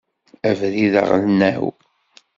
Abrid aɣelnaw.